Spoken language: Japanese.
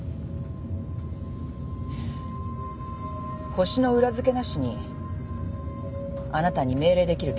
ホシの裏付けなしにあなたに命令できる権限はない。